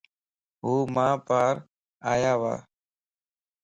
ھو مان پار آيا وا.